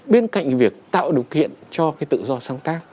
bên cạnh việc tạo điều kiện cho cái tự do sáng tác